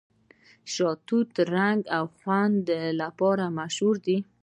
شاه توت د رنګ او خوند لپاره مشهور دی.